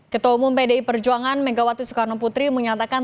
ketua umum pdi perjuangan megawati soekarno putri menyatakan